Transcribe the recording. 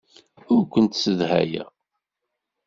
Ur kent-ssedhayeɣ.